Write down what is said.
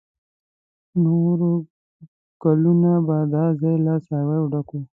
نور کلونه به دا ځای له څارویو ډک و.